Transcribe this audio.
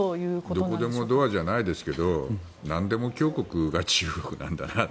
どこでもドアじゃないですけどなんでも強国が中国なんだなと。